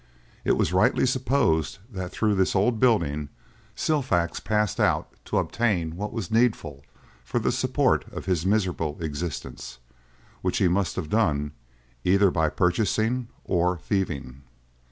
It was rightly supposed that through this old building Silfax passed out to obtain what was needful for the support of his miserable existence (which he must have done, either by purchasing or thieving).